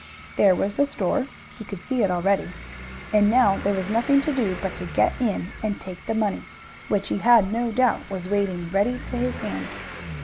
There was the store. He could see it already. And now there was nothing to do but to get in and take the money, which he had no doubt was waiting ready to his hand.